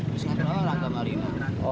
di jakarta marino